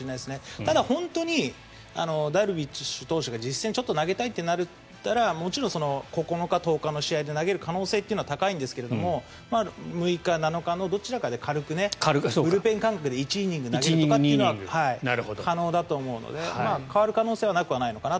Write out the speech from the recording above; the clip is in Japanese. ただ、本当にダルビッシュさんが実戦でちょっと投げたいとなったら９日、１０日の試合で投げる可能性は高いんですが６日、７日のどちらかで軽く、ブルペン感覚で１イニング投げるとかというのは可能だと思うので変わる可能性はなくはないのかなと。